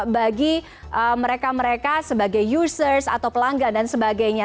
bagi mereka mereka sebagai users atau pelanggan dan sebagainya